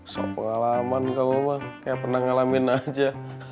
soal pengalaman kamu bang kayak pernah ngalamin aja